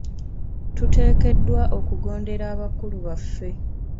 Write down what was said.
Tuteekeddwa okugondera abakulu baffe.